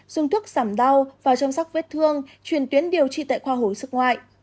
dùng thuốc giảm đau và chăm sóc vết thương truyền tuyến điều trị tại khoa hối sức ngoại